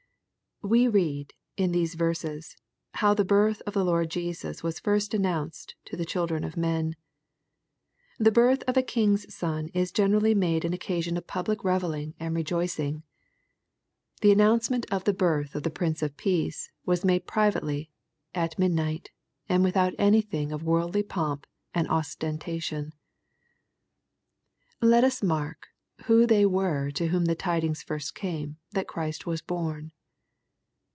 We read, in these verses, how the birth of the Lord Jesus was first announced to the children of men. The bh'th of a king's son is generally made an occasion of 66 EXFOSITOBT THOUGHTS. public royelling and rejoicing. The announcement of the birth of the Prince of Peace was made privately, at midnight, and without anything of worldly pomp and ostentation. Let us mark who they were to whom the tidings first came that Christ was horn.